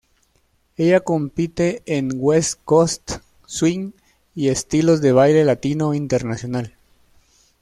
Ella compite en west coast swing y estilos de baile latino internacional.